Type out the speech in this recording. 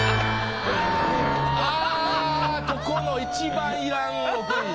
あぁここの一番いらん６位。